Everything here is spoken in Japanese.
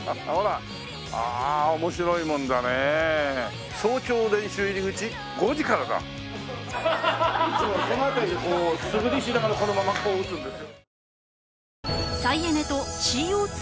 いつもこの辺りで素振りしながらこのままこう打つんですよ。